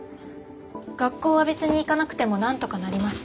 学校は別に行かなくてもなんとかなります。